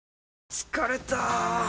疲れた！